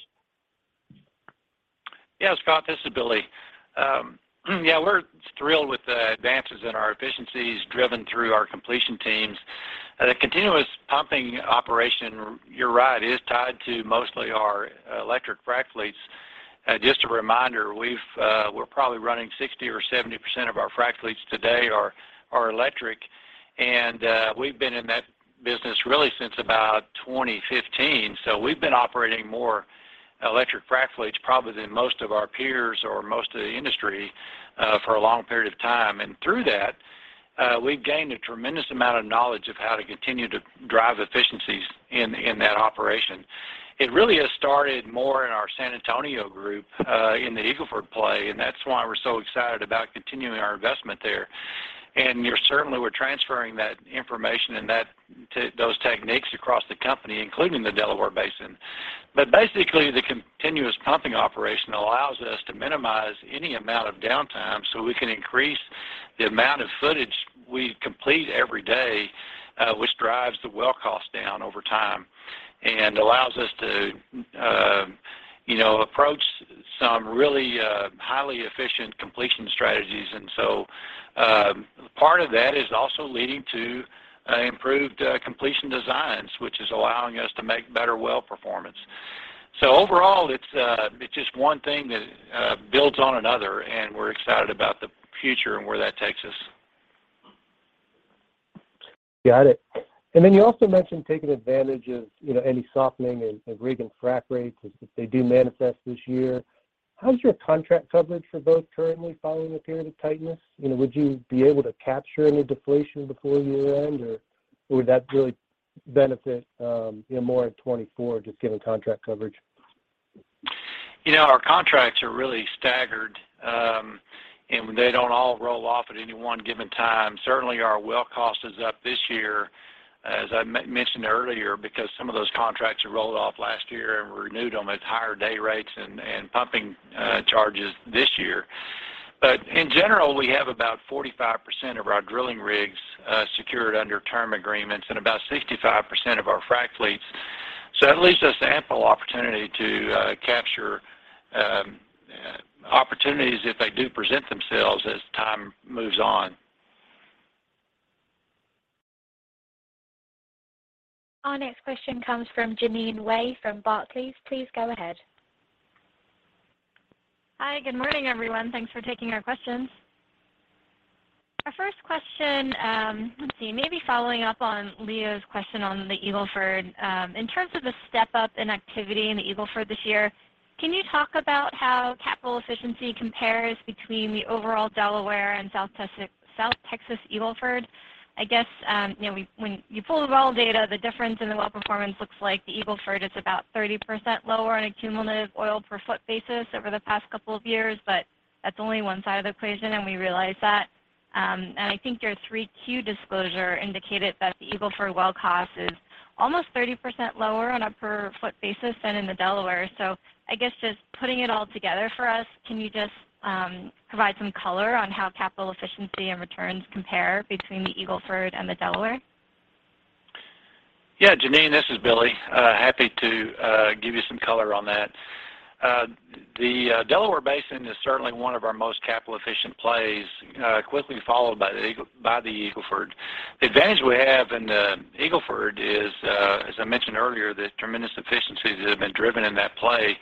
Yeah, Scott, this is Billy. Yeah, we're thrilled with the advances in our efficiencies driven through our completion teams. The continuous pumping operation, you're right, is tied to mostly our electric frac fleets. Just a reminder, we've, we're probably running 60% or 70% of our frac fleets today are electric. We've been in that business really since about 2015. We've been operating more electric frac fleets probably than most of our peers or most of the industry for a long period of time. Through that, we've gained a tremendous amount of knowledge of how to continue to drive efficiencies in that operation. It really has started more in our San Antonio group in the Eagle Ford play, and that's why we're so excited about continuing our investment there. We're certainly transferring that information and those techniques across the company, including the Delaware Basin. Basically, the continuous pumping operation allows us to minimize any amount of downtime, so we can increase the amount of footage we complete every day, which drives the well cost down over time and allows us to, you know, approach some really highly efficient completion strategies. Part of that is also leading to improved completion designs, which is allowing us to make better well performance. Overall, it's just one thing that builds on another, and we're excited about the future and where that takes us. Got it. You also mentioned taking advantage of, you know, any softening in rig and frac rates if they do manifest this year. How's your contract coverage for both currently following a period of tightness? You know, would you be able to capture any deflation before year-end or would that really benefit, you know, more in 2024 just given contract coverage? You know, our contracts are really staggered, and they don't all roll off at any one given time. Certainly, our well cost is up this year, as I mentioned earlier, because some of those contracts have rolled off last year and renewed them at higher day rates and pumping charges this year. In general, we have about 45% of our drilling rigs secured under term agreements and about 65% of our frac fleets. It leaves us ample opportunity to capture opportunities if they do present themselves as time moves on. Our next question comes from Jeanine Wai from Barclays. Please go ahead. Hi. Good morning, everyone. Thanks for taking our questions. Our first question, let's see, maybe following up on Leo's question on the Eagle Ford. In terms of the step up in activity in the Eagle Ford this year, can you talk about how capital efficiency compares between the overall Delaware and South Texas Eagle Ford? I guess, you know, when you pull the well data, the difference in the well performance looks like the Eagle Ford is about 30% lower on a cumulative oil per foot basis over the past couple of years. That's only one side of the equation, and we realize that. I think your 3Q disclosure indicated that the Eagle Ford well cost is almost 30% lower on a per foot basis than in the Delaware. I guess just putting it all together for us, can you just provide some color on how capital efficiency and returns compare between the Eagle Ford and the Delaware? Yeah, Jeanine, this is Billy. Happy to give you some color on that. The Delaware Basin is certainly one of our most capital-efficient plays, quickly followed by the Eagle Ford. The advantage we have in the Eagle Ford is, as I mentioned earlier, the tremendous efficiencies that have been driven in that play.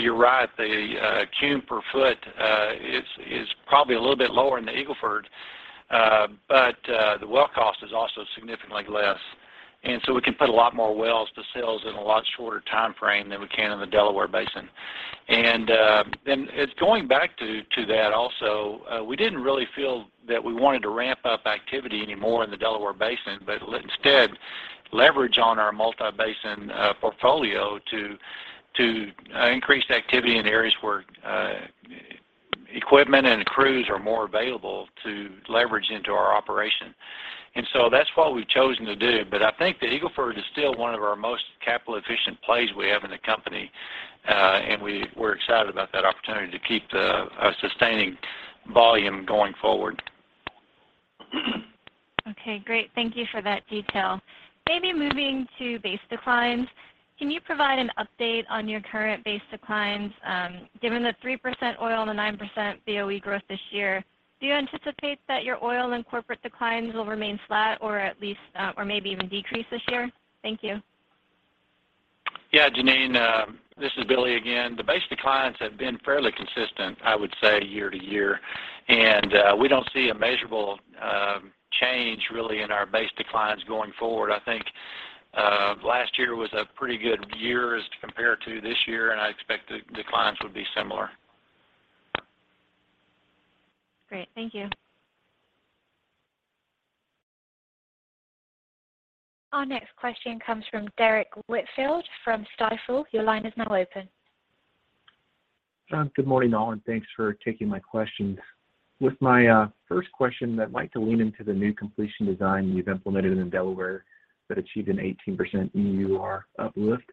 You're right, the cum per foot is probably a little bit lower in the Eagle Ford, but the well cost is also significantly less. We can put a lot more wells to sales in a lot shorter timeframe than we can in the Delaware Basin. Going back to that also, we didn't really feel that we wanted to ramp up activity anymore in the Delaware Basin, but instead leverage on our multi-basin portfolio to increase activity in areas where equipment and crews are more available to leverage into our operation. That's what we've chosen to do. I think the Eagle Ford is still one of our most capital-efficient plays we have in the company, and we're excited about that opportunity to keep the sustaining volume going forward. Great. Thank you for that detail. Maybe moving to base declines, can you provide an update on your current base declines, given the 3% oil and the 9% BOE growth this year? Do you anticipate that your oil and corporate declines will remain flat or at least, or maybe even decrease this year? Thank you. Yeah, Jeanine, this is Billy again. The base declines have been fairly consistent, I would say year to year. We don't see a measurable change really in our base declines going forward. I think last year was a pretty good year as to compare to this year. I expect the declines would be similar. Great. Thank you. Our next question comes from Derrick Whitfield from Stifel. Your line is now open. Good morning, all, and thanks for taking my questions. With my first question I'd like to lean into the new completion design you've implemented in Delaware that achieved an 18% EUR uplift.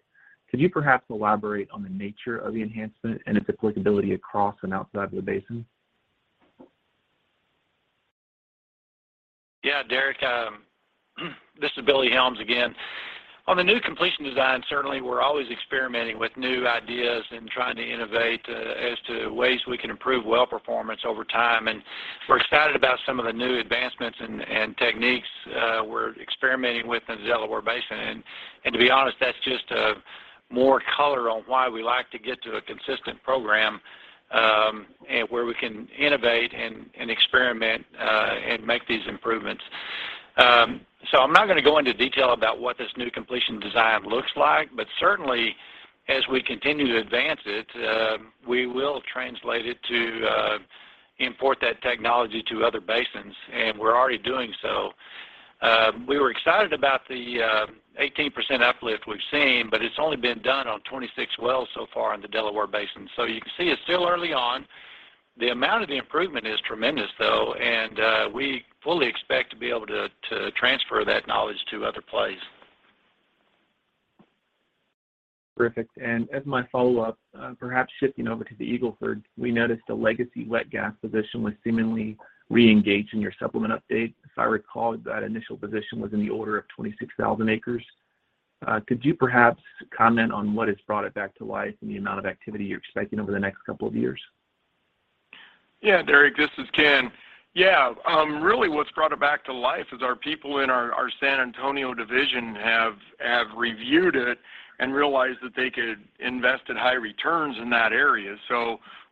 Could you perhaps elaborate on the nature of the enhancement and its applicability across and outside of the basin? Derrick, this is Billy Helms again. On the new completion design, certainly we're always experimenting with new ideas and trying to innovate as to ways we can improve well performance over time, and we're excited about some of the new advancements and techniques we're experimenting with in the Delaware Basin. To be honest, that's just more color on why we like to get to a consistent program and where we can innovate and experiment and make these improvements. I'm not gonna go into detail about what this new completion design looks like, but certainly as we continue to advance it, we will translate it to import that technology to other basins, and we're already doing so. We were excited about the 18% uplift we've seen, but it's only been done on 26 wells so far in the Delaware Basin. You can see it's still early on. The amount of the improvement is tremendous, though, and we fully expect to be able to transfer that knowledge to other plays. Terrific. As my follow-up, perhaps shifting over to the Eagle Ford, we noticed a legacy wet gas position was seemingly reengaged in your supplement update. If I recall, that initial position was in the order of 26,000 acres. Could you perhaps comment on what has brought it back to life and the amount of activity you're expecting over the next couple of years? Yeah, Derrick, this is Ken. Yeah, really what's brought it back to life is our people in our San Antonio division have reviewed it and realized that they could invest at high returns in that area.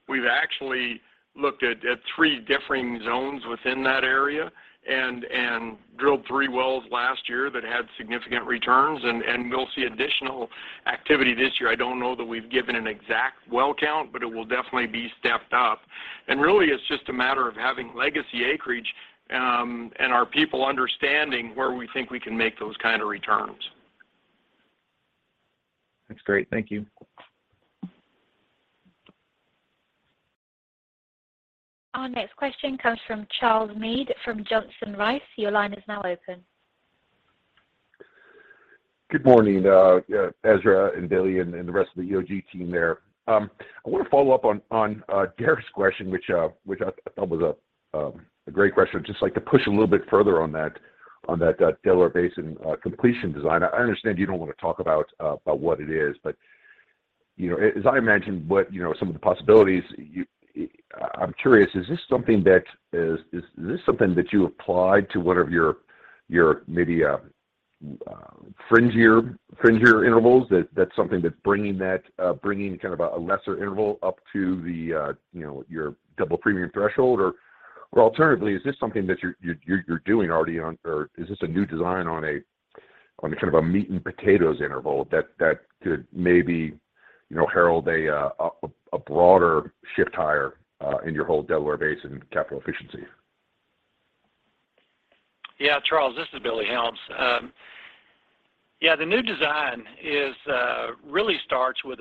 We've actually looked at three differing zones within that area and drilled three wells last year that had significant returns and we'll see additional activity this year. I don't know that we've given an exact well count, but it will definitely be stepped up. Really it's just a matter of having legacy acreage, and our people understanding where we think we can make those kind of returns. That's great. Thank you. Our next question comes from Charles Meade from Johnson Rice. Your line is now open. Good morning, Ezra and Billy and the rest of the EOG team there. I want to follow up on Derrick's question, which I thought was a great question. Just like to push a little bit further on that Delaware Basin completion design. I understand you don't want to talk about what it is, but, you know, as I imagine what, you know, some of the possibilities, I'm curious, is this something that you applied to one of your maybe fringier intervals that's something that's bringing that kind of a lesser interval up to the, you know, your double premium threshold? Alternatively, is this something that you're doing already on a sort of a meat and potatoes interval that could maybe, you know, herald a broader shift higher in your whole Delaware Basin capital efficiency? Charles, this is Billy Helms. The new design is, really starts with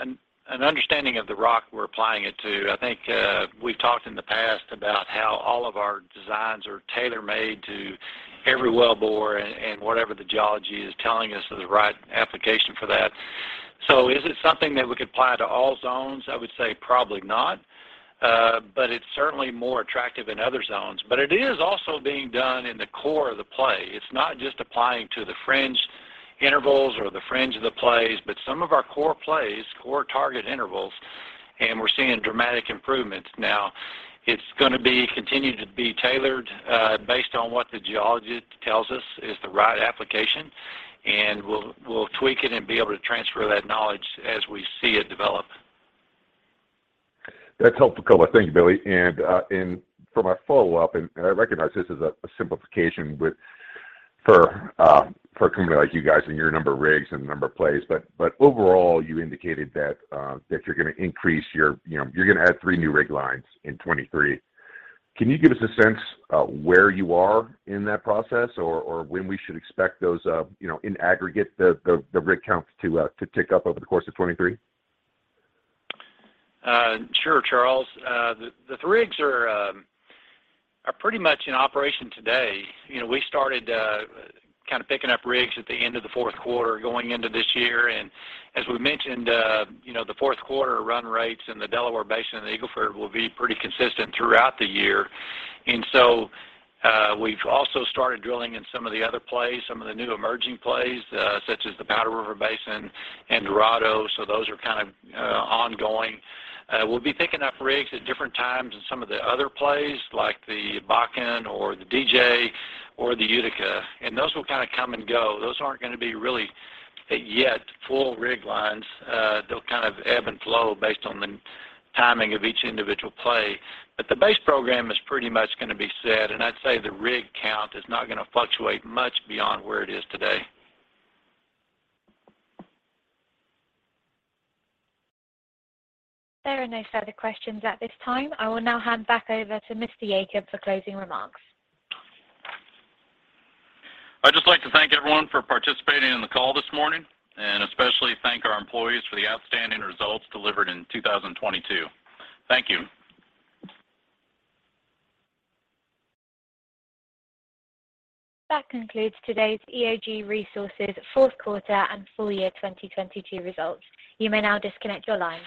an understanding of the rock we're applying it to. I think, we've talked in the past about how all of our designs are tailor-made to every wellbore and whatever the geology is telling us is the right application for that. Is it something that we could apply to all zones? I would say probably not. It's certainly more attractive in other zones. It is also being done in the core of the play. It's not just applying to the fringe intervals or the fringe of the plays, but some of our core plays, core target intervals, and we're seeing dramatic improvements. It's gonna be continued to be tailored based on what the geology tells us is the right application, and we'll tweak it and be able to transfer that knowledge as we see it develop. That's helpful. Thank you, Billy. For my follow-up, and I recognize this is a simplification for a company like you guys and your number of rigs and number of plays, but overall, you indicated that you're gonna increase your, you know, you're gonna add 3 new rig lines in 2023. Can you give us a sense of where you are in that process or when we should expect those, you know, in aggregate the rig counts to tick up over the course of 2023? Sure, Charles. The rigs are pretty much in operation today. You know, we started kind of picking up rigs at the end of the fourth quarter going into this year. As we mentioned, you know, the fourth quarter run rates in the Delaware Basin and the Eagle Ford will be pretty consistent throughout the year. We've also started drilling in some of the other plays, some of the new emerging plays, such as the Powder River Basin and Dorado. Those are kind of ongoing. We'll be picking up rigs at different times in some of the other plays like the Bakken or the DJ or the Utica, and those will kinda come and go. Those aren't gonna be really yet full rig lines. They'll kind of ebb and flow based on the timing of each individual play. The base program is pretty much gonna be set, and I'd say the rig count is not gonna fluctuate much beyond where it is today. There are no further questions at this time. I will now hand back over to Mr. Yacob for closing remarks. I'd just like to thank everyone for participating in the call this morning, and especially thank our employees for the outstanding results delivered in 2022. Thank you. That concludes today's EOG Resources fourth quarter and full year 2022 results. You may now disconnect your line.